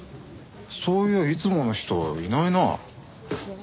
そういやいつもの人いないな。